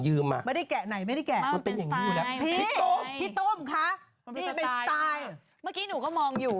สุดท้ายเราเลิศกำลังว่าเอาให้ยันเป็นแขนเสื้อเลี่ยกของ